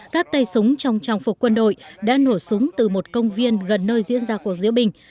các tay súng trong trang phục quân đội đã nổ súng từ một công viên gần nơi diễn ra cuộc diễu bình